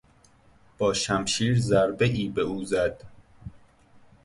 با شمشیر ضربهای به او زد.